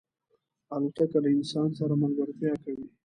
الوتکه له انسان سره ملګرتیا کوي.